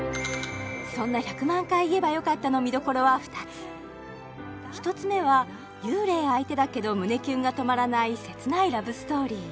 そんな「１００万回言えばよかった」の見どころは２つ１つ目は幽霊相手だけど胸キュンが止まらない切ないラブストーリー